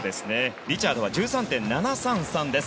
リチャードは１３．７３３です。